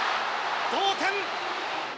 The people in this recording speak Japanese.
同点！